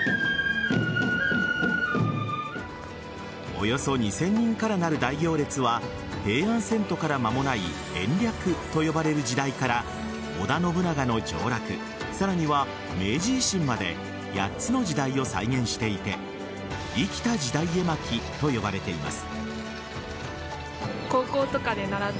およそ２０００人からなる大行列は平安遷都から間もない延暦と呼ばれる時代から織田信長の上洛さらには明治維新まで８つの時代を再現していて生きた時代絵巻と呼ばれています。